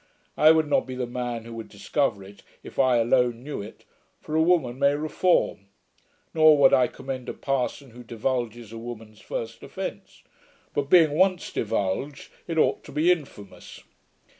I would not be the man who would discover it, if I alone knew it, for a woman may reform; nor would I commend a parson who divulges a woman's first offence; but being once divulged, it ought to be infamous.